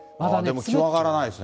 気温上がらないですね。